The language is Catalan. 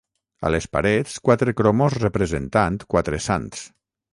A les parets quatre cromos representant quatre sants